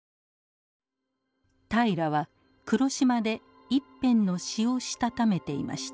平良は黒島で一編の詩をしたためていました。